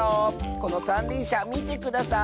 このさんりんしゃみてください。